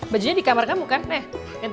bajunya di kamar kamu kan eh